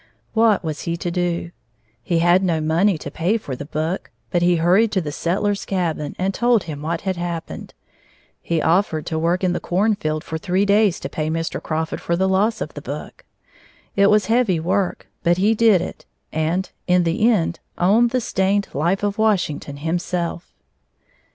What was he to do? He had no money to pay for the book, but he hurried to the settler's cabin and told him what had happened. He offered to work in the cornfield for three days to pay Mr. Crawford for the loss of the book. It was heavy work, but he did it and, in the end, owned the stained Life of Washington, himself.